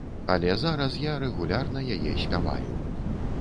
Але зараз я рэгулярна яе спяваю.